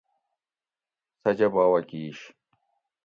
سجہ باوہ کیش